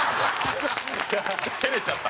照れちゃった。